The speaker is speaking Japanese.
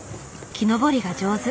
木登りが上手。